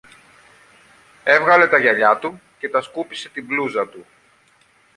Έβγαλε τα γυαλιά του και τα σκούπισε τη μπλούζα του